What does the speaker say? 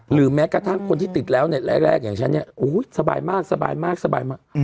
แม้กระทั่งคนที่ติดแล้วเนี่ยแรกอย่างฉันเนี่ยสบายมากสบายมากสบายมาก